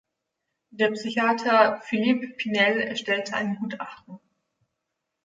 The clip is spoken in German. Der Psychiater Philippe Pinel erstellte ein Gutachten.